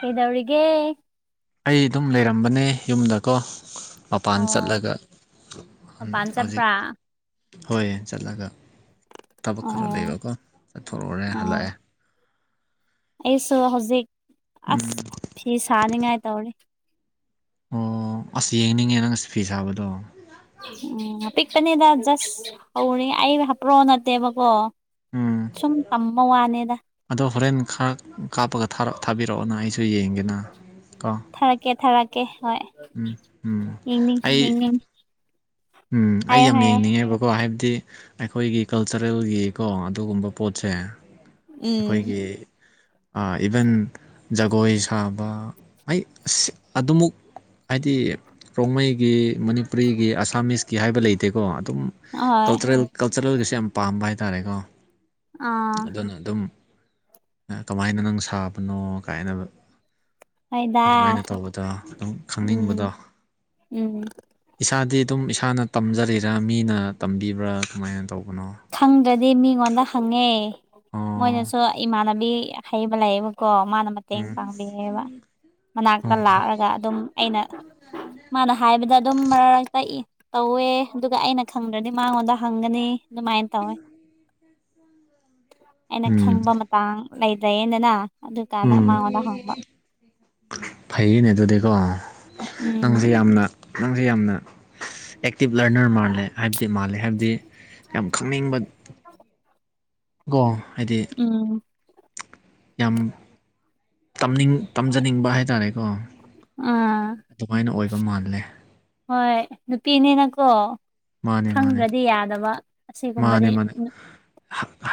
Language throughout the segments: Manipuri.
ꯀꯩꯗꯧꯔꯤꯒꯦ ꯑꯩ ꯑꯗꯨꯝ ꯂꯩꯔꯝꯕꯅꯦ ꯌꯨꯝꯗꯀꯣ ꯃꯄꯥꯟ ꯑꯣ ꯆꯠꯂꯒ ꯎꯝ ꯃꯄꯥꯟ ꯍꯧꯖꯤꯛ ꯆꯠꯄ꯭ꯔꯥ ꯍꯣꯏ ꯆꯠꯂꯒ ꯊꯕꯛ ꯈꯔ ꯑꯣ ꯂꯩꯕꯀꯣ ꯆꯠꯊꯣꯔꯎꯨꯔꯦ ꯑꯣ ꯍꯜꯂꯛꯑꯦ ꯑꯩꯁꯨ ꯍꯧꯖꯤꯛ ꯑꯁ ꯎꯝ ꯐꯤ ꯁꯥꯅꯤꯉꯥꯏ ꯇꯧꯔꯤ ꯑꯣ ꯑꯁ ꯌꯦꯡꯅꯤꯡꯉꯦ ꯅꯪꯅ ꯐꯤ ꯁꯥꯕꯗꯣ ꯎꯝ ꯑꯄꯤꯛꯄꯅꯤꯗ ꯖꯁ ꯍꯧꯔꯦ ꯑꯩ ꯍꯥꯞꯄ꯭ꯔꯣ ꯅꯠꯇꯦꯕꯀꯣ ꯎꯝ ꯁꯨꯝ ꯇꯝꯕ ꯋꯥꯅꯦꯗ ꯑꯗꯣ ꯍꯣꯔꯦꯟ ꯈꯔ ꯀꯥꯞꯄꯒ ꯊꯥꯕꯤꯔꯛꯑꯣꯅ ꯑꯩꯁꯨ ꯌꯦꯡꯒꯦꯅ ꯀꯣ ꯊꯥꯔꯛꯀꯦ ꯊꯥꯔꯛꯀꯦ ꯍꯣꯏ ꯎꯝ ꯎꯝ ꯌꯦꯡꯅꯤꯡ ꯑꯩ ꯌꯦꯡꯅꯤꯡ ꯎꯝ ꯑꯩ ꯍꯥꯏꯌꯣ ꯌꯥꯝ ꯍꯥꯏꯌꯣ ꯌꯦꯡꯅꯤꯡꯉꯦꯕ ꯀꯣ ꯍꯥꯏꯕꯗꯤ ꯑꯩꯈꯣꯏꯒꯤ ꯀꯜꯆꯔꯦꯜꯒꯤꯀꯣ ꯑꯗꯨꯒꯨꯝꯕ ꯄꯣꯠꯁꯦ ꯎꯝ ꯑꯩꯈꯣꯏꯒꯤ ꯑꯥ ꯏꯚꯟ ꯖꯒꯣꯏ ꯁꯥꯕ ꯍꯩ ꯑꯁ ꯑꯗꯨꯃꯛ ꯍꯥꯏꯗꯤ ꯔꯣꯡꯃꯩꯒꯤ ꯃꯅꯤꯄꯨꯔꯤꯒꯤ ꯑꯁ꯭ ꯑꯥꯃꯤꯁꯀꯤ ꯍꯥꯏꯕ ꯂꯩꯇꯦꯀꯣ ꯑꯗꯨꯝ ꯍꯣꯏ ꯀꯜꯆꯔꯦꯜ ꯀꯜꯆꯔꯦꯜꯒꯤꯁꯨ ꯌꯥꯝ ꯄꯥꯝꯕ ꯍꯥꯏꯇꯥꯔꯦꯀꯣ ꯑꯥ ꯑꯗꯨꯅ ꯑꯗꯨꯝ ꯀꯃꯥꯏꯅ ꯅꯪ ꯁꯥꯕꯅꯣ ꯀꯥꯏꯅꯕ ꯍꯣꯏꯗ ꯑꯗꯨꯃꯥꯏꯅ ꯇꯧꯕꯗꯣ ꯑꯗꯨꯝ ꯎꯝ ꯈꯪꯅꯤꯡꯕꯗꯣ ꯎꯝ ꯏꯁꯥꯗꯤ ꯑꯗꯨꯝ ꯏꯁꯥꯅ ꯇꯝꯖꯔꯤꯔꯥ ꯃꯤꯅ ꯇꯝꯕꯤꯕ꯭ꯔꯥ ꯀꯃꯥꯏꯅ ꯇꯧꯕꯅꯣ ꯈꯪꯗ꯭ꯔꯗꯤ ꯃꯤꯉꯣꯟꯗ ꯍꯪꯉꯦ ꯑꯣ ꯃꯣꯏꯅꯁꯨ ꯏꯃꯥꯟꯅꯕꯤ ꯍꯩꯕ ꯂꯩꯌꯦꯕꯀꯣ ꯃꯥꯅ ꯃꯇꯦꯡ ꯎꯝ ꯄꯥꯡꯕꯤꯌꯦꯕ ꯃꯅꯥꯛꯇ ꯑꯣ ꯂꯥꯛꯑꯒ ꯑꯗꯨꯝ ꯑꯩꯅ ꯃꯥꯅ ꯍꯥꯏꯕꯗ ꯑꯗꯨꯝ ꯃꯔꯛꯇꯥ ꯑꯦ ꯇꯧꯋꯦ ꯑꯗꯨꯒ ꯑꯩꯅ ꯈꯪꯗ꯭ꯔꯗꯤ ꯃꯉꯣꯟꯗ ꯍꯪꯒꯅꯤ ꯑꯗꯨꯃꯥꯏꯅ ꯇꯧꯋꯦ ꯑꯩꯅ ꯎꯝ ꯈꯪꯕ ꯃꯇꯥꯡ ꯂꯩꯖ꯭ꯔꯦꯅꯅ ꯑꯗꯨꯀꯥꯟꯗ ꯃꯉꯣꯟꯗ ꯍꯪꯕ ꯐꯩꯌꯥ ꯑꯗꯨꯗꯤꯀꯣ ꯅꯪꯁꯦ ꯎꯝ ꯌꯥꯝꯅ ꯅꯪꯁꯦ ꯌꯥꯝꯅ ꯑꯦꯛꯇꯤꯚ ꯂꯔꯅꯔ ꯃꯥꯜꯂꯦ ꯍꯥꯏꯕꯗꯤ ꯃꯥꯜꯂꯦ ꯍꯥꯏꯕꯗꯤ ꯌꯥꯝ ꯈꯪꯅꯤꯡꯕ ꯀꯣ ꯍꯥꯏꯗꯤ ꯎꯝ ꯌꯥꯝ ꯇꯝꯅꯤꯒ ꯇꯝꯖꯅꯤꯡꯕ ꯍꯥꯏꯇꯥꯔꯦꯀꯣ ꯑꯥ ꯑꯗꯨꯃꯥꯏꯅ ꯑꯣꯏꯕ ꯃꯥꯜꯂꯦ ꯍꯣꯏ ꯅꯨꯄꯤꯅꯤꯅꯀꯣ ꯃꯥꯅꯦ ꯃꯥꯅꯦ ꯈꯪꯗ꯭ꯔꯗꯤ ꯌꯥꯗꯕ ꯑꯁꯤꯒꯨꯝꯕꯗꯤ ꯃꯥꯅꯦ ꯃꯥꯅꯦ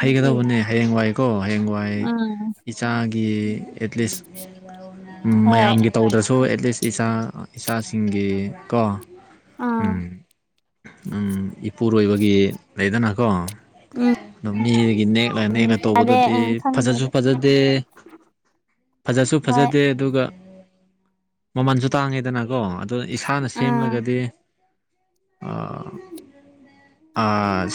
ꯅꯨꯄꯤ ꯍꯌꯦꯡꯋꯥꯏꯀꯣ ꯍꯌꯦꯡꯋꯥꯏ ꯏ ꯎꯝ ꯏꯥꯒꯤ ꯑꯦꯠꯂꯤꯁ ꯍꯣꯏ ꯃꯌꯥꯝꯒꯤ ꯇꯧꯗ꯭ꯔꯁꯨ ꯑꯦꯠꯂꯤꯁ ꯏꯁꯆꯥ ꯏꯆꯥꯁꯤꯡꯒꯤ ꯀꯣ ꯎ ꯑꯥ ꯎꯝ ꯏꯄꯨꯔꯣꯏꯕꯒꯤ ꯂꯩꯗꯅꯀꯣ ꯎꯝ ꯑ ꯃꯤꯗꯒꯤ ꯅꯦꯛꯂꯒ ꯅꯦꯛꯂꯒ ꯌꯥꯗꯦ ꯇꯧꯕꯗꯗꯤ ꯑꯪ ꯐꯖꯁꯨ ꯈꯪꯗ꯭ꯔꯗꯤ ꯐꯖꯗꯦ ꯐꯖꯁꯨ ꯍꯣꯏ ꯐꯖꯗꯦ ꯑꯗꯨꯒ ꯃꯃꯜꯁꯨ ꯇꯥꯡꯉꯦꯗꯅꯀꯣ ꯑꯗꯨ ꯏꯁꯥꯅ ꯑꯥ ꯁꯦꯝꯂꯒꯗꯤ ꯑ ꯑ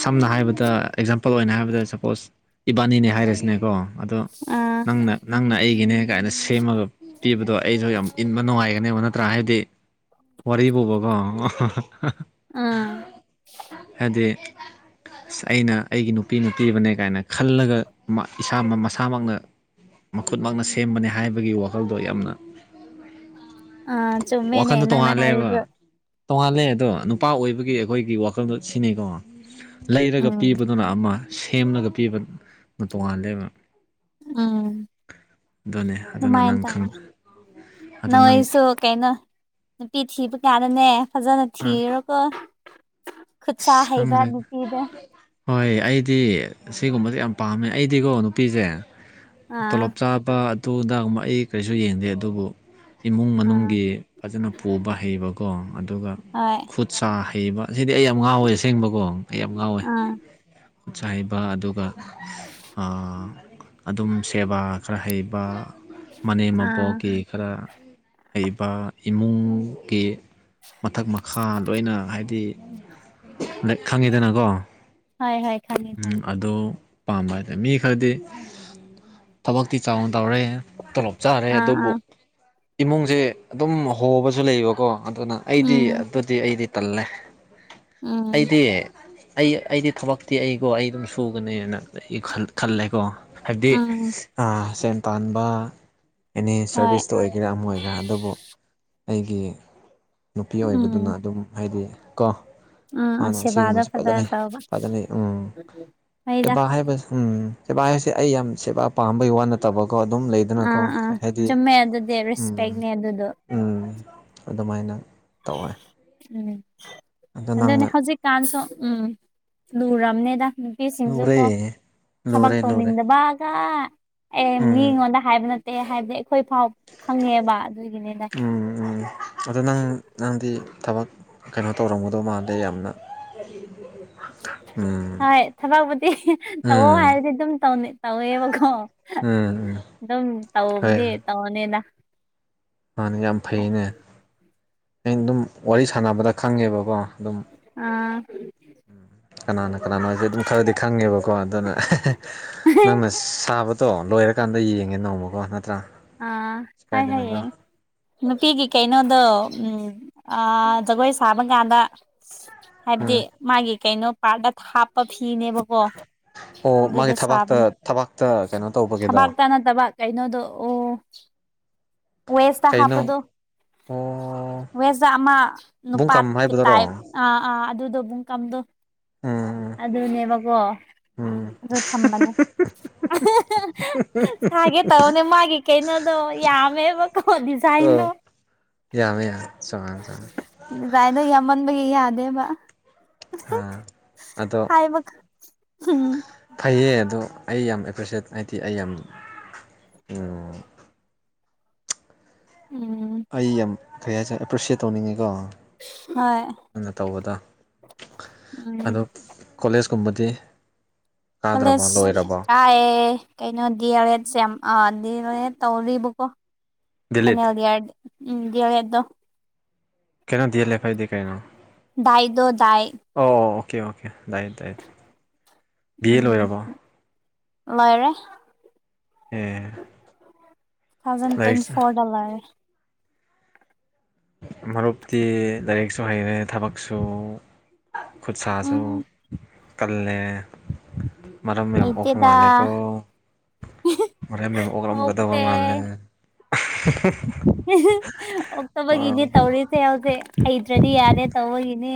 ꯁꯝꯅ ꯍꯥꯏꯔꯕꯗ ꯑꯦꯛꯖꯥꯝꯄꯜ ꯑꯣꯏꯅ ꯍꯥꯏꯕꯗ ꯁꯄꯣꯁ ꯏꯕꯥꯅꯤꯅꯦ ꯍꯥꯏꯔꯁꯤꯅꯦꯀꯣ ꯑꯗꯣ ꯑꯥ ꯅꯪꯅ ꯅꯪꯅ ꯑꯩꯒꯤꯅꯦ ꯀꯥꯏꯅ ꯁꯦꯝꯃꯒ ꯄꯤꯕꯗꯣ ꯑꯩꯁꯨ ꯌꯥꯝ ꯏꯟꯕ ꯅꯨꯡꯉꯥꯏꯒꯅꯦꯕ ꯅꯠꯇ꯭ꯔꯥ ꯍꯥꯏꯕꯗꯤ ꯋꯥꯔꯤꯕꯎ ꯕꯀꯣ ꯍꯥ ꯍꯥ ꯒꯒ ꯑꯥ ꯍꯥꯏꯗꯤ [unintelligible] ꯁ ꯑꯩꯅ ꯑꯩꯒꯤ ꯅꯨꯄꯤ ꯅꯨꯄꯤꯔꯤꯕꯅꯦ ꯀꯥꯏꯅ ꯈꯜꯂꯒ ꯏꯁꯥ ꯃꯁꯥꯃꯛꯅ ꯃꯈꯨꯠꯃꯛꯅ ꯁꯦꯝꯕꯅꯤ ꯍꯥꯏꯕꯒꯤ ꯋꯥꯈꯜꯗꯣ ꯌꯥꯝꯅ ꯑ ꯆꯨꯝꯃꯦꯅꯦ ꯋꯥꯈꯟꯗꯣ ꯅꯪꯅ ꯍꯥꯏꯔꯤꯗꯨ ꯇꯣꯡꯉꯥꯜꯂꯦꯕ ꯇꯣꯡꯉꯥꯜꯂꯦ ꯑꯗꯣ ꯅꯨꯄꯥ ꯑꯣꯏꯕꯒꯤ ꯑꯩꯈꯣꯏꯒꯤ ꯋꯥꯈꯜꯗꯣ ꯁꯤꯅꯤꯩꯀꯣ ꯂꯩꯔꯒ ꯎꯝ ꯄꯤꯕꯗꯨꯅ ꯑꯃ ꯁꯦꯝꯂꯒ ꯄꯤꯕ ꯅ ꯇꯣꯉꯥꯜꯂꯦꯕ ꯎꯝ ꯑꯗꯨꯅ ꯑꯗꯨꯃꯥꯏꯟ ꯅꯪ ꯈꯪ ꯇꯣꯌꯥ ꯅꯪ ꯑꯩꯁꯨ ꯀꯩꯅꫭ ꯅꯨꯄꯤ ꯊꯤꯕ ꯀꯥꯟꯗꯅꯦ ꯐꯖꯅ ꯑꯥ ꯊꯤꯔꯣꯀꯣ ꯈꯨꯠ ꯁꯥ ꯑꯁ ꯍꯩꯕ ꯈꯪꯗꯦ ꯅꯨꯄꯤꯗ ꯍꯣꯏ ꯑꯩꯗꯤ ꯁꯤꯒꯨꯝꯕꯁꯦ ꯌꯥꯝ ꯄꯥꯝꯃꯦ ꯑꯩꯗꯤꯀꯣ ꯅꯨꯄꯤꯖꯦ ꯇꯣꯂꯣꯞ ꯑꯥ ꯆꯥꯕ ꯑꯗꯨ ꯑꯗꯥꯒꯨꯝꯕ ꯑꯩ ꯀꯔꯤꯁꯨ ꯌꯦꯡꯗꯦ ꯑꯗꯨꯕꯨ ꯏꯃꯨꯡ ꯑꯥ ꯃꯅꯨꯡꯒꯤ ꯐꯖꯅ ꯄꯨꯕ ꯍꯩꯕꯀꯣ ꯑꯗꯨꯒ ꯍꫭꯏ ꯈꯨꯠ ꯁꯥ ꯍꯩꯕ ꯁꯤꯗꯤ ꯑꯩ ꯌꯥꯝ ꯉꯥꯎꯋꯦ ꯑꯁꯦꯡꯕꯀꯣ ꯑꯩ ꯌꯥꯝ ꯉꯥꯎꯋꯦ ꯑꯥ ꯆꯥꯏꯕ ꯑꯗꯨꯒ ꯑꯥ ꯑꯗꯨꯝ ꯁꯦꯕꯥ ꯈꯔ ꯍꯩꯕ ꯃꯅꯦꯝ ꯑꯥ ꯃꯕꯣꯛꯀꯤ ꯈꯔ ꯍꯩꯕ ꯏꯃꯨꯡꯒꯤ ꯃꯊꯛ ꯃꯈꯥ ꯂꯣꯏꯅ ꯍꯥꯏꯗꯤ ꯈꯪꯉꯤꯗꯅꯀꯣ ꯍꯣꯏ ꯍꯣꯏ ꯈꯪꯉꯦ ꯎꯝ ꯈꯪꯉꯦ ꯑꯗꯨ ꯄꯥꯝꯕ [unintelligible] ꯃꯤ ꯈꯔꯗꯤ ꯊꯕꯛꯇꯤ ꯆꯥꯎꯅ ꯇꯧꯔꯦ ꯇꯣꯂꯣꯞ ꯆꯥꯔꯦ ꯑꯥ ꯑꯥ ꯑꯗꯨꯕꯨ ꯏꯃꯨꯡꯖꯦ ꯑꯗꯨꯝ ꯍꯣꯕꯁꯨ ꯂꯩꯌꯦꯕꯀꯣ ꯑꯗꯨꯅ ꯑꯩꯗꯤ ꯎꯝ ꯑꯗꯨꯗꯤ ꯑꯩꯗꯤ ꯇꯜꯂꯦ ꯎꯝ ꯑꯩꯗꯤ ꯑꯩ ꯑꯩꯗꯤ ꯊꯕꯛꯇꯤ ꯑꯩꯀꯣ ꯑꯩ ꯑꯗꯨꯝ ꯁꯨꯒꯅꯦꯅ ꯑꯩ ꯈꯜꯂꯦꯀꯣ ꯍꯥꯏꯞꯗꯤ ꯎꯝ ꯑ ꯁꯦꯟ ꯇꯥꯟꯕ ꯑꯦꯅꯤ ꯍꯣꯏ ꯁꯔꯚꯤꯁꯇ ꯑꯣꯏ ꯒꯦꯔ ꯑꯃ ꯑꯣꯏꯒꯦꯔ ꯑꯗꯨꯕꯨ ꯑꯩꯒꯤ ꯅꯨꯄꯤ ꯑꯣꯏꯕꯗꯨꯅ ꯎꯝ ꯑꯗꯨꯝ ꯍꯥꯏꯗꯤ ꯀꫭ ꯎꯝ ꯎꯝ ꯃꯥꯅ ꯁꯦꯕꯥꯗꯣ ꯑꯁꯤꯒꯨꯝꯕꯁꯦ ꯐꯖꯅ ꯐꯖꯅꯩ ꯇꯧꯕ ꯐꯖꯅꯩ ꯎꯝ ꯍꯣꯏꯗ [unintelligible] ꯍꯥꯏꯕ ꯎꯝ ꯁꯦꯕꯥ ꯍꯥꯏꯁꯦ ꯑꯩ ꯌꯥꯝ ꯁꯦꯕꯥ ꯄꯥꯝꯕꯩ ꯋꯥ ꯅꯠ ꯇꯕꯀꯣ ꯑꯗꯨꯝ ꯂꯩꯗꯅꯀꯣ ꯑꯥ ꯑꯥ ꯍꯥꯏꯗꯤ ꯆꯨꯝꯃꯦ ꯑꯗꯨꯗꯤ ꯎꯝ ꯔꯦꯁꯄꯦꯛꯅꯦ ꯑꯗꯨꯗꯣ ꯎꯝ ꯑꯗꯨꯝꯃꯥꯏꯅ ꯇꯧꯋꯦ ꯎꯝ ꯑꯗꯣ ꯑꯗꯨꯅꯦ ꯅꯪꯅ ꯍꯧꯖꯤꯛꯀꯥꯟꯁꯨ ꯎꯝ ꯂꯨꯔꯝꯅꯤꯗ ꯄꯤꯁꯤꯡꯖꯨꯀꯣ ꯂꯨꯔꯦ ꯊꯕꯛ ꯂꯨꯔꯦ ꯂꯨꯔꯦ ꯇꯧꯅꯤꯡꯗꯕꯒ ꯑꯦ ꯎꯝ ꯃꯤꯉꯣꯟꯗ ꯍꯥꯏꯕꯅ [unintelligible] ꯍꯥꯏꯞꯗꯤ ꯑꯩꯈꯣꯏ ꯐꯥꯎ ꯈꯪꯉꯦꯕ ꯑꯗꯨꯒꯤꯅꯤꯗ ꯎꯝ ꯎꯝ ꯑꯗꯣ ꯅꯪ ꯅꯪꯗꯤ ꯊꯕꯛ ꯀꯩꯅꯣ ꯇꯧꯔꯝꯒꯗꯧ ꯃꯥꯟꯗꯦ ꯌꯥꯝꯅ ꯎꯝ ꯍꯣꯏ ꯊꯕꯛꯄꯨꯗꯤ ꯇꯧꯋꫭ ꯎꯝ ꯍꯥꯏꯔꯗꯤ ꯑꯗꯨꯝ [unintelligible] ꯇꯧꯋꯦꯕꯀꯣ ꯎꯝ ꯎꯝ ꯑꯗꯨꯝ ꯍꯣꯏ ꯇꯧꯕꯗꯤ ꯇꯧꯅꯤꯗ ꯃꯥꯅꯦ ꯌꯥꯝ ꯐꯩꯅꯦ ꯑꯩꯅ ꯑꯗꯨꯝ ꯋꯥꯔꯤ ꯁꯥꯟꯅꯕꯗ ꯈꯪꯉꯦꯕꯀꯣ ꯑꯗꯨꯝ ꯑꯥ ꯀꯅꯥꯅ ꯀꯅꯥꯅꯣ ꯍꯥꯏꯖꯦ ꯑꯗꯨꯝ ꯈꯔꯗꯤ ꯈꯪꯉꯦꯕꯀꯣ ꯑꯗꯨꯅ [unintelligible] ꯅꯪꯅ ꯁꯥꯕ ꯇꯣ ꯂꯣꯏꯔꯀꯥꯟꯗ ꯌꯦꯡꯉꯦ ꯅꯣꯡꯃꯀꯣ ꯅꯠꯇ꯭ꯔ ꯑ ꯍꫭꯏ ꯍꫭꯏ [unintelligible] ꯅꯨꯄꯤꯒꯤ ꯀꯩꯅꯣꯗꯣ ꯎꯝ ꯑꯥ ꯖꯒꯣꯏ ꯁꯥꯕ ꯀꯥꯟꯗ ꯍꯥꯏꯞꯗꯤ ꯎꯝ ꯃꯥꯒꯤ ꯀꯩꯅꯣ ꯄꯥꯔꯗ ꯊꯥꯞꯄ ꯐꯤꯅꯦꯕ ꯀꯣ ꯑꯣ ꯃꯥꯒꯤ ꯑꯗꯨꯗ ꯊꯕꯥꯛꯇ ꯁꯥꯕꯅꯦ ꯊꯕꯥꯛꯇ ꯀꯩꯅꯣ ꯇꯧꯕꯒꯤꯗꯣ ꯊꯕꯥꯛꯇ ꯅꯠꯇꯕꯥꯛ ꯀꯩꯅꯣꯗꯣ ꯑꯣ ꯋꯦꯁꯇ ꯀꯩꯅꯣ ꯍꯥꯞꯄꯗꫭ ꯑꯣ ꯋꯦꯁꯇ ꯑꯃ ꯕꯨꯡꯀꯝ ꯅꯨꯄꯥꯠꯀꯤ ꯍꯥꯏꯕꯗꯨꯔꯣ ꯇꯥꯏꯞ ꯑꯥ ꯑꯥ ꯑꯗꯨꯗꯣ [unintelligible] ꯎꯝ ꯎꯝ ꯑꯗꯨꯅꯦꯕꯀꯣ ꯑꯗꯨ ꯊꯝꯕꯅꯦ [unintelligible] ꯁꯥꯒꯦ ꯇꯧꯕꯅꯦ ꯃꯥꯒꯤ ꯀꯩꯅꯣꯗꯣ ꯌꯥꯝꯃꯦꯕ ꯀꯣ ꯗꯤꯖꯥꯏꯟꯗꯣ ꯌꯥꯃꯦ [unintelligible] ꯅꯗꯥꯥꯏꯗꯣ ꯌꯥꯝꯃꯟꯕꯒꯤ ꯌꯥꯗꯦꯕ ꯍꯥꯥ ꯑꯗꯣ ꯍꯥꯏꯕ ꯎꯝ ꯐꯩꯌꯦ ꯑꯗꯣ ꯑꯩ ꯌꯥꯝ ꯑꯦꯄ꯭ꯔꯤꯁꯦꯠ ꯍꯥꯏꯗꯤ ꯑꯩ ꯌꯥꯝ ꯎꯝ ꯎꯝ ꯑꯩ ꯌꯥꯝ ꯀꯩ ꯍꯥꯏꯇꯥꯔꯦ ꯑꯦꯄ꯭ꯔꯤꯁꯌꯦꯠ ꯇꯧꯅꯤꯡꯉꯤꯀꯣ ꯍꯣꯏ ꯅꯪꯅ ꯇꯧꯕꯗ ꯎꯝ ꯑꯗꯣ ꯀꯣꯂꯦꯖꯀꯨꯝꯕꯗꯤ ꯀꯥꯗ꯭ꯔꯕꯣ ꯀꯂꯦꯁ ꯂꯣꯏꯔꯕꯣ ꯀꯥꯌꯦ ꯀꯩꯅꯣ ꯗꯤ ꯑꯦꯜ ꯑꯦꯗꯁ ꯌꯥꯝ ꯑꯥ ꯗꯤ ꯑꯦꯜ ꯑꯦꯗ ꯇꯧꯔꯤꯕꯀꯣ ꯗꯤꯂꯤꯠ ꯐꯥꯏꯅꯦꯜ ꯏꯌꯥꯔꯗꯤ ꯎꯝ ꯗꯤ ꯌꯦꯜ ꯑꯦꯗ ꯇꯣ ꯀꯩꯅꯣ ꯗꯤ ꯑꯦꯜ ꯑꯦꯐ ꯍꯥꯏꯗꯤ ꯀꯩꯅꯣ ꯗꯥꯏꯗꯣ ꯗꯥꯏ ꯑꯣ ꯑꯣꯀꯦ ꯑꯣꯀꯦ ꯗꯥꯏꯗ ꯗꯥꯏꯗ ꯎꯝ ꯂꯩꯔꯦ ꯑꯦ ꯊꯥꯎꯖꯟ ꯂꯥꯏꯔꯤꯛ ꯇ꯭ꯋꯦꯟꯇꯤ ꯐꯣꯗ ꯂꯣꯏꯔꯦ ꯃꯔꯨꯞꯇꯤ ꯂꯥꯏꯔꯤꯛꯁꯨ ꯍꯩꯔꯦ ꯊꯕꯛꯁꯨ ꯈꯨꯠ ꯁꯥꯁꯨ ꯎꯝ ꯀꯜꯂꯦ ꯃꯔꯝ ꯌꯥꯝ ꯑꯣꯛꯄ ꯍꯩꯇꯦꯗ ꯃꯥꯜꯂꯦꯀꯣ ꯃꯔꯝ ꯌꯥꯝ ꯑꯣꯒꯔꯝꯒꯗꯕ ꯑꯣꯛꯇꯦ ꯃꯥꯜꯂꯦ ꯑꯥ ꯑꯣꯛꯇꯕꯒꯤꯅꯦ ꯇꯧꯔꯤꯁꯦ ꯍꯧꯖꯤꯛ ꯍꯩꯇ꯭ꯔꯗꯤ ꯌꯥꯗꯦ ꯇꯧꯕꯒꯤꯅꯦ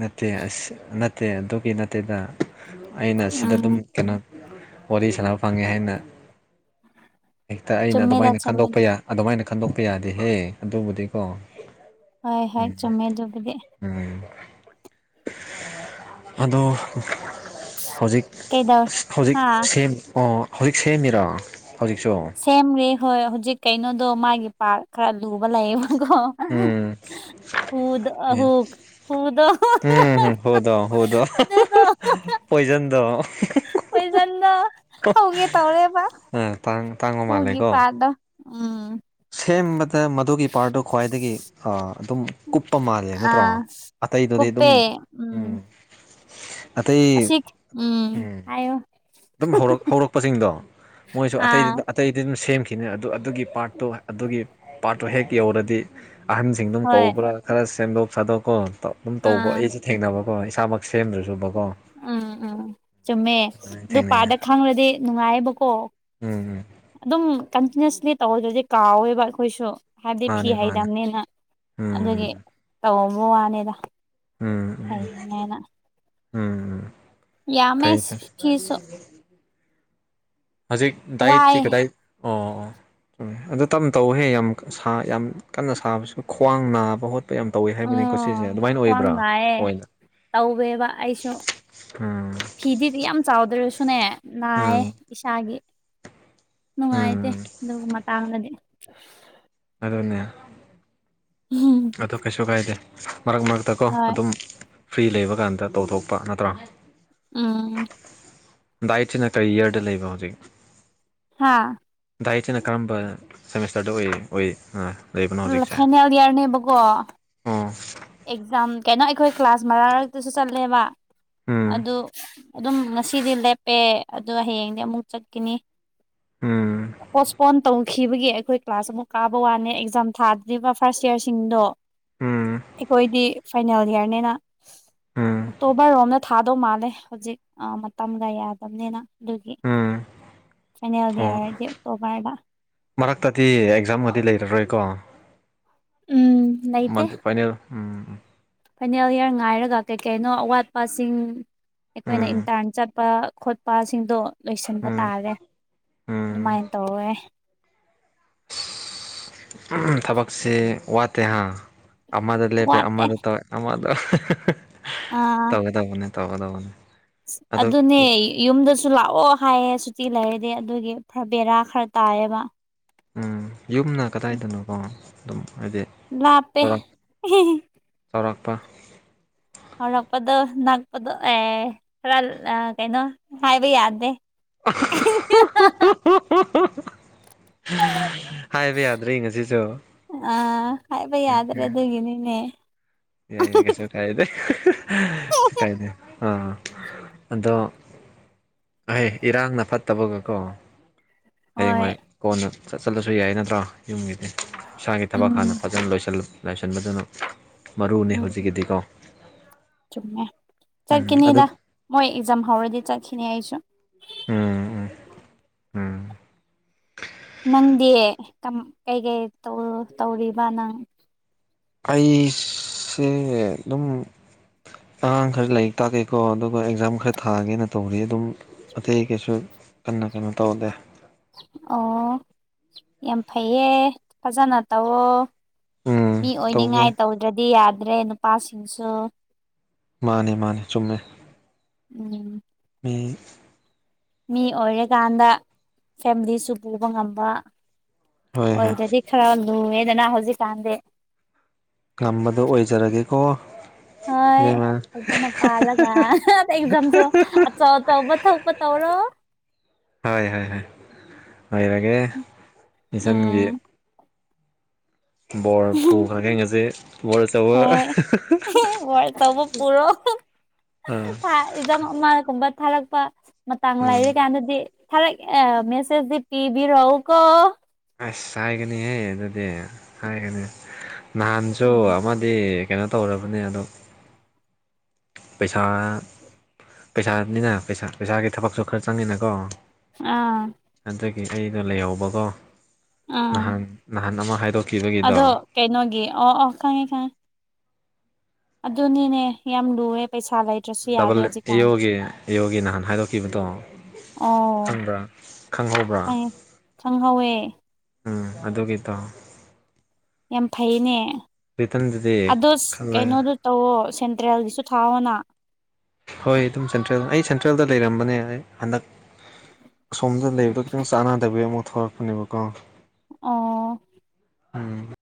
ꯅꯠꯇꯦ ꯑꯁ ꯅꯠꯇꯦ ꯑꯗꯨꯒꯤ ꯅꯠꯇꯦꯗ ꯑꯩꯅ ꯁꯤꯗ ꯎꯝ ꯗꯨꯝ ꯀꯩꯅꯣ ꯋꯥꯔꯤ ꯁꯥꯟꯅꯕ ꯐꯪꯉꯦ ꯍꯥꯏꯅ ꯍꯦꯛꯇ ꯑꯩꯅ ꯆꯨꯝꯃꯦꯗ ꯑꯗꯨꯃꯥꯏꯅ ꯆꯨꯝꯃꯦꯗ ꯈꯟꯗꯣꯛꯄ ꯌꯥ ꯑꯗꯨꯃꯥꯏꯅ ꯈꯟꯗꯣꯛꯄ ꯌꯥꯗꯦꯍꯦ ꯑꯗꯨꯕꯨꯗꯤꯀꯣ ꯍꯣꯏ ꯍꯦꯛ ꯆꯨꯝꯃꯦ ꯑꯗꯨꯕꯨꯗꯤ ꯑꯗꯣ ꯍꯧꯖꯤꯛ ꯀꯩꯗꯧꯔꯦ ꯍꯧꯖꯤꯛ ꯍꯥ ꯁꯦꯝ ꯑꯣ ꯍꯧꯖꯤꯛ ꯁꯦꯝꯃꯤꯔꯣ ꯍꯧꯖꯤꯛꯆꯨ ꯁꯦꯝꯒ꯭ꯔꯦ ꯍꯣꯏ ꯍꯨꯖꯤꯛ ꯀꯩꯅꯣꯗꯣ ꯃꯥꯒꯤ ꯄꯥꯔ ꯈꯔ ꯂꯨꯕ ꯂꯩꯌꯦꯕꯀꯣ ꯎꯝ ꯍꯨꯗ ꯑꯦ ꯑꯍꯨꯛ ꯍꯨꯗꯣ ꯗꯣ ꯑꯗꯨꯗꯣ ꯄꯣꯏꯖꯟꯗꯣ ꯄꯣꯏꯖꯟꯗꯣ ꯍꯧꯒꯦ ꯇꯧꯔꯦꯕ [unintelligible] ꯍꯨꯒꯤ ꯄꯥꯗ ꯎꯝ ꯁꯦꯝꯕꯗ ꯃꯗꯨꯒꯤ ꯄꯥꯔꯠꯗꯣ ꯈ꯭ꯋꯥꯏꯗꯒꯤ ꯑꯥ ꯑꯗꯨꯝ ꯀꯨꯞꯄ ꯃꯥꯜꯂꯦ ꯅꯠꯇ꯭ꯔꯣ ꯑꯇꯩꯗꯨꯗꯤ ꯗꯨꯝ ꯄꯦ ꯎꯝ ꯑꯇꯩ ꯑꯁꯤꯛ ꯎꯝ ꯍꯥꯏꯌꯣ ꯗꯨꯝ ꯍꯧꯔꯛ ꯍꯧꯔꯛꯄꯖꯤꯡꯗꯣ ꯃꯣꯏꯁꯨ ꯑꯥ ꯑꯇꯩꯗꯤ ꯑꯇꯩꯗꯤ ꯑꯗꯨꯝ ꯁꯦꯝꯈꯤꯅꯤ ꯑꯗꯨ ꯑꯗꯨꯒꯤ ꯄꯥꯔꯠꯇꯣ ꯑꯗꯨꯒꯤ ꯄꯥꯔꯠꯇꯣ ꯍꯦꯛ ꯌꯧꯔꯗꯤ ꯑꯍꯟ ꯁꯤꯡꯗꯨꯝ ꯍꯣꯏ ꯀꯧꯕ꯭ꯔꯥ ꯈꯔ ꯁꯦꯝꯗꯣꯛ ꯁꯥꯗꯣꯛꯀꯣ ꯗꯨꯝ ꯇꯧꯕ ꯑꯥ ꯑꯩꯁꯦ ꯊꯦꯡꯅꯕꯀꯣ ꯏꯁꯥꯃꯛ ꯁꯦꯝꯗ꯭ꯔꯁꯨꯕꯀꯣ ꯎꯝ ꯎꯝ ꯆꯨꯝꯃꯦ ꯑꯗꯨꯃꯥꯏꯅ ꯑꯗꯨ ꯊꯦꯡꯅꯩꯌꯦ ꯄꯥꯗ ꯈꯪꯔꯗꯤ ꯅꯨꯡꯉꯥꯏꯌꯦꯕꯀꯣ ꯎꯝ ꯎꯝ ꯑꯗꯨꯝ ꯀꯟꯇꯤꯅꯨꯁꯂꯤ ꯇꯧꯗ꯭ꯔꯗꯤ ꯀꯥꯎꯋꯦꯕ ꯑꯩꯈꯣꯏꯁꯨ ꯍꯥꯏꯕꯗꯤ ꯐꯤ ꯃꯥꯅꯦ ꯃꯥꯅꯦ ꯍꯩꯗꯝꯅꯤꯅ ꯎꯝ ꯑꯗꯨꯒꯤ ꯇꯧꯕ ꯋꯥꯅꯤꯗ ꯎꯝ ꯍꯩꯅꯤꯡꯉꯥꯏꯅ ꯎꯝ ꯎꯝ ꯌꯥꯝꯃꯦ ꯐꯩ ꯐꯩ [unintelligible] ꯍꯧꯖꯤꯛ ꯋꯥꯏ ꯗꯥꯏꯠꯇꯤ ꯀꯗꯥꯏ ꯑꯣ ꯑꯣ ꯑꯗꯨ ꯇꯝ ꯇꯧꯍꯦ ꯌꯥꯝ ꯁꯥ ꯌꯥꯝ ꯀꯟꯅ ꯁꯥꯕꯁꯨ ꯈ꯭ꯋꯥꯡ ꯅꯥꯕ ꯍꯣꯠꯄ ꯌꯥꯝ ꯇꯧꯋꯤ ꯍꯥꯏꯕꯅꯤ ꯀꯣ ꯁꯤꯁꯦ ꯎꯝ ꯑꯗꯨꯃꯥꯏꯅ ꯈ꯭ꯋꯥꯡ ꯑꯣꯏꯕ꯭ꯔꯥ ꯅꯥꯏꯌꯦ ꯑꯣꯏꯅ ꯇꯧꯋꯦꯕ ꯑꯩꯁꯨ ꯎꯝ ꯐꯤꯗꯤ ꯌꯥꯝ ꯆꯥꯎꯗ꯭ꯔꯁꯨꯅꯦ ꯅꯥꯏ ꯎꯝ ꯏꯁꯥꯒꯤ ꯅꯨꯡꯉꯥꯏꯇꯦ ꯎꯝ ꯑꯗꯨꯒꯤ ꯃꯇꯥꯡꯗꯗꯤ ꯑꯗꯨꯅꯦ ꯎꯝ [unintelligible] ꯑꯗꯨ ꯀꯩꯁꯨ ꯀꯥꯏꯗꯦ ꯃꯔꯛ ꯃꯔꯛꯇꯀꯣ ꯍꯣꯏ ꯑꯗꯨꯝ ꯐ꯭ꯔꯤ ꯂꯩꯕ ꯀꯥꯟꯗ ꯇꯧꯊꯣꯛꯄ ꯅꯠꯇ꯭ꯔꯥ ꯑꯝ ꯗꯥꯏꯠꯁꯤꯅ ꯀꯔꯤ ꯌꯥꯔꯗ ꯂꯩꯕ ꯍꯧꯖꯤꯛ ꯍꯥꯥ ꯗꯥꯏꯠꯁꯤꯅ ꯀꯔꯝꯕ ꯁꯦꯃꯤꯁꯇꯥꯔꯗ ꯑꯣꯏ ꯑꯣꯏ ꯑꯥ ꯐꯥꯏꯅꯦꯜ ꯏꯌꯥꯔꯅꯦꯕꯀꯣ ꯑꯣ ꯑꯦꯛꯖꯥꯝ ꯀꯩꯅꯣ ꯑꯩꯈꯣꯏ ꯀ꯭ꯂꯥꯁ ꯃꯔꯛ ꯔꯛꯇꯁꯨ ꯆꯠꯂꯦꯕ ꯎꯝ ꯑꯗꯨ ꯑꯗꯨꯝ ꯉꯁꯤꯗꯤ ꯂꯦꯞꯄꯦ ꯑꯗꯨ ꯍꯌꯦꯡꯗꯤ ꯑꯃꯨꯛ ꯆꯠꯒꯅꯤ ꯎꯝ ꯄꯣꯢꯄꯣꯟ ꯇꯧꯈꯤꯕꯒꯤ ꯑꯩꯈꯣꯏ ꯀ꯭ꯂꯥꯁ ꯑꯃꯨꯛ ꯀꯥꯕ ꯋꯥꯅꯦ ꯑꯦꯛꯖꯥꯝ ꯊꯥꯗ꯭ꯔꯤꯕ ꯐꯥꯔꯁ ꯏꯌꯥꯔꯁꯤꯡꯗꯣ ꯎꯝ ꯑꯩꯈꯣꯏꯗꯤ ꯐꯥꯏꯅꯦꯜ ꯏꯌꯥꯔꯅꯤꯅ ꯎꯝ ꯑꯣꯛꯇꯣꯕꯥꯔ ꯔꯣꯝꯅ ꯊꯥꯗꯧ ꯃꯥꯜꯂꯦ ꯍꯧꯖꯤꯛ ꯑꯥ ꯃꯇꯝꯒ ꯌꯥꯗꯕꯅꯤꯅ ꯑꯗꯨꯒꯤ ꯎꯝ ꯐꯥꯢꯅꯦꯜ ꯑꯣ ꯢꯌꯥꯔꯖꯤ ꯇꯣꯈꯥꯢꯕ ꯃꯔꯛꯇꯗꯤ ꯑꯦꯛꯖꯥꯝꯒꯗꯤ ꯂꯩꯔꯔꯣꯏꯀꯣ ꯎꯝ ꯃꯥ ꯂꯩꯇꯦ ꯐꯥꯏꯅꯦꯜ ꯎꯝ ꯐꯥꯏꯅꯦꯜ ꯏꯌꯥꯔ ꯉꯥꯏꯔꯒ ꯀꯩ ꯀꯩꯅꯣ ꯑꯋꯥꯠꯄꯁꯤꯡ ꯑꯩꯈꯣꯏꯅ ꯎꯝ ꯏꯟꯇꯥꯔꯟ ꯆꯠ ꯆꯠꯄ ꯈꯣꯠꯄꯁꯤꯡꯗꯣ ꯂꯣꯏꯁꯤꯟꯕ ꯎꯝ ꯇꯥꯔꯦ ꯎꯝ ꯑꯗꯨꯃꯥꯏꯅ ꯇꯧꯋꯦ [inaudible] ꯊꯕꯛꯁꯤ ꯋꯥꯠꯇꯦ ꯍꯥ ꯑꯃꯗ ꯂꯦꯞꯄꯦ ꯋꯥꯠꯇꯦ ꯑꯃꯗ ꯇꯧ ꯑꯃꯗ ꯑꯥ [unintelligible] ꯇꯧꯒꯗꯧꯕꯅꯤ ꯇꯧꯒꯗꯧꯕꯅꯤ ꯑꯗꯨꯅꯦ ꯌꯨꯝꯗꯁꯨ ꯂꯥꯛꯑꯣ ꯍꯥꯏꯌꯦ ꯁꯨꯇꯤ ꯂꯩꯔꯗꯤ ꯑꯗꯨꯒꯤ ꯕꯦꯔꯥ ꯈꯔ ꯇꯥꯏꯌꯦꯕ ꯎꯝ ꯌꯨꯝꯅ ꯀꯗꯥꯏꯗꯅꯣꯀꯣ ꯑꯗꯨꯝ ꯍꯥꯏꯗꯤ ꯂꯞꯄꯦ ꯆꯥꯎꯔꯥꯛ [unintelligible] ꯆꯥꯎꯔꯥꯛꯄ ꯍꯧꯔꯛꯄꯗꯣ ꯅꯛꯄꯗꯣ ꯑꯦ ꯈꯔ ꯀꯩꯅꯣ ꯍꯥꯏꯕ ꯌꯥꯗꯦ [unintelligible] [unintelligible] ꯍꯥꯏꯕ ꯌꯥꯗ꯭ꯔꯦ ꯉꯁꯤꯁꯨ ꯎꯝ ꯎꯝ ꯑꯩꯒꯤꯅꯤꯅꯦ ꯌꯥꯏ ꯌꯥꯏ ꯀꯩꯁꯨ ꯀꯥꯏꯗꯦ ꯀꯥꯏꯗꯦ ꯑꯥ ꯑꯗꯣ ꯑꯍꯦ ꯏꯔꯥꯡꯅ ꯐꯠꯇꯕꯒ ꯀꯣ ꯍꯣꯏ ꯍꯌꯦꯡꯋꯥꯢ ꯀꯣꯟꯅ ꯆꯠ ꯆꯠꯂꯁꯨ ꯌꯥꯏ ꯅꯠꯇ꯭ꯔꯣ ꯌꯨꯝꯒꯤꯗꯤ ꯏꯁꯥꯒꯤ ꯊꯕꯛ ꯍꯥꯟꯅ ꯎꯝ ꯐꯖꯅ ꯂꯣꯢ ꯂꯣꯏꯁꯤꯟꯕꯗꯨꯅ ꯃꯔꯨꯅꯤ ꯎꯝ ꯍꯧꯖꯤꯛꯀꯤꯗꯤꯀꯣ ꯆꯨꯝꯃꯦ ꯎꯝ ꯑꯗꯨ ꯆꯠꯀꯅꯤꯗ ꯃꯣꯏ ꯑꯦꯛꯖꯥꯝ ꯍꯥꯎꯔꯗꯤ ꯆꯠꯈꯤꯅꯤ ꯑꯩꯁꯨ ꯎꯝ ꯎꯝ ꯎꯝ ꯅꯪꯗꯤ ꯀꯩꯀꯩ ꯇꯧꯔꯤꯕ ꯅꯪ ꯑꯩꯁꯦ ꯑꯗꯨꯝ ꯑꯉꯥꯡ ꯈꯔ ꯂꯥꯏꯔꯤꯛ ꯇꯥꯛꯀꯦꯀꯣ ꯑꯗꯨꯒ ꯑꯦꯛꯖꯥꯝ ꯈꯔ ꯊꯥꯒꯦꯅ ꯇꯧꯔꯤ ꯑꯗꯨꯝ ꯑꯇꯩ ꯀꯩꯁꯨ ꯀꯟꯅ ꯀꯩꯅꯣ ꯇꯧꯗꯦ ꯑꯣ ꯌꯥꯝ ꯐꯩꯌꯦ ꯐꯖꯅ ꯇꯧꯑꯣ ꯎꯝ ꯃꯤ ꯇꯧꯒꯦ ꯑꯣꯏꯅꯤꯡꯉꯥꯏ ꯇꯧꯗ꯭ꯔꯗꯤ ꯌꯥꯗ꯭ꯔꯦ ꯅꯨꯄꯥꯁꯤꯡꯁꯨ ꯃꯥꯅꯤ ꯃꯥꯅꯤ ꯆꯨꯝꯃꯦ ꯎꯝ ꯃꯤ ꯃꯤ ꯑꯣꯏꯔꯀꯥꯟꯗ ꯐꯦꯃꯤꯂꯤꯁꯨ ꯄꯨꯕ ꯉꯝꯕ ꯍꯣꯏ ꯍꯣꯏ ꯑꯣꯏꯔꯗꯤ ꯈꯔ ꯂꯨꯔꯦꯗꯅ ꯍꯧꯖꯤꯛ ꯀꯥꯟꯗꯤ ꯉꯝꯕꯗꯣ ꯑꯣꯏꯖꯔꯒꯦꯀꯣ ꯍꯣꯏ ꯏꯕꯦꯝꯃ ꯐꯖꯅ ꯄꯥꯜꯂꯒ ꯑꯦꯛꯖꯥꯝꯁꯨ ꯑꯆꯧ ꯑꯆꯧꯕ ꯊꯣꯛꯄ ꯇꯧꯔꯣ ꯍꯣꯏ ꯍꯣꯏ ꯍꯣꯏ ꯑꯣꯏꯔꯒꯦ ꯏꯆꯥꯟꯒꯤ ꯎꯝ ꯕꯣꯔ ꯄꯨ ꯈ꯭ꯔꯒꯦ ꯉꯁꯤ ꯕꯣꯔ ꯑꯆꯧꯕ ꯍꯣꯏ ꯋꯥꯔ ꯇꯧꯕ ꯄꯨꯔꯣ ꯑꯥ ꯑꯦꯛꯖꯥꯝ ꯑꯃꯒꯨꯝꯕ ꯊꯥꯔꯛꯄ ꯃꯇꯥꯡ ꯎꯝ ꯂꯩꯔꯀꯥꯟꯗꯗꯤ ꯊꯔꯛ ꯑꯦ ꯃꯦꯁꯦꯁꯗꯤ ꯄꯤꯕꯤꯔꯛꯎ ꯀꯣ ꯑꯁ ꯍꯥꯏꯒꯅꯤꯍꯦ ꯑꯗꯨꯗꯤ ꯍꯥꯏꯒꯅꯤ ꯅꯍꯥꯟꯁꯨ ꯎꯝ ꯑꯃꯗꯤ ꯀꯩꯅꯣ ꯇꯧꯔꯕꯅꯦ ꯑꯗꯣ ꯄꯩꯁꯥ ꯄꯩꯁꯥꯅꯤꯅ ꯄꯩꯁꯥ ꯄꯩꯁꯥꯒꯤ ꯊꯕꯛꯁꯨ ꯈꯔ ꯆꯪꯉꯤꯅꯀꯣ ꯑꯥ ꯍꯟꯗꯛꯀꯤ ꯑꯩꯗꯣ ꯂꯩꯍꯧꯕꯀꯣ ꯑꯥ ꯅꯍꯥꯟ ꯅꯍꯥꯟ ꯑꯃ ꯍꯥꯏꯗꯣꯛꯈꯤꯕꯒꯤꯗꯣ ꯑꯗꯣ ꯀꯩꯅꯣꯒꯤ ꯑꯣ ꯑꯣ ꯈꯪꯉꯦ ꯈꯪꯉꯦ ꯑꯗꯨꯅꯤꯅꯦ ꯌꯥꯝ ꯂꯨꯑꯦ ꯄꯩꯁꯥ ꯂꯩ ꯗꯥꯕꯜ ꯏꯌꯣꯒꯤ ꯏꯌꯣꯒꯤ ꯅꯍꯥꯟ ꯍꯥꯏꯗꯣꯛꯈꯤꯕꯗꯣ ꯑꯣ ꯈꯪꯕ꯭ꯔꯥ ꯈꯪꯍꯧꯕ꯭ꯔꯥ ꯈꯪ ꯈꯪꯍꯧꯋꯦ ꯎꯝ ꯑꯗꯨꯒꯤꯗꯣ ꯌꯥꯝ ꯐꯩꯅꯦ ꯔꯤꯇꯟꯗꯨꯗꯤ ꯑꯗꯣ ꯈꯜꯂꯒ ꯀꯩꯅꯣꯗꯨ ꯇꯧꯑꯣ ꯁꯦꯟꯇ꯭ꯔꯦꯜꯒꯤꯁꯨ ꯊꯥꯑꯣꯅ ꯍꯣꯏ ꯑꯗꯨꯝ ꯁꯦꯟꯇ꯭ꯔꯦꯜ ꯑꯩ ꯁꯦꯟꯇ꯭ꯔꯦꯜꯗ ꯂꯩꯔꯝꯕꯅꯦ ꯍꯟꯗꯛ ꯑꯁꯣꯝꯗ ꯂꯩꯕꯗꯣ ꯈꯤꯇꯪ ꯆꯥꯟꯅꯗꯕꯤꯒꯤ ꯑꯃꯨꯛ ꯊꯣꯛꯂꯛꯄꯅꯦꯕꯀꯣ ꯑꯣ ꯎꯝ